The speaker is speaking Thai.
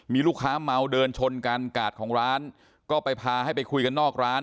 มีลูกค้าเมาเดินชนกันกาดของร้านก็ไปพาให้ไปคุยกันนอกร้าน